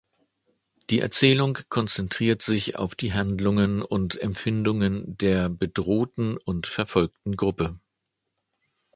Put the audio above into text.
Die Erzählung konzentriert sich auf die Handlungen und Empfindungen der bedrohten und verfolgten Gruppe.